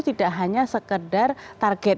tidak hanya sekedar target